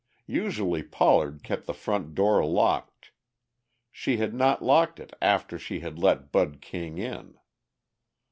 Usually Pollard kept the front door locked; she had not locked it after she had let Bud King in.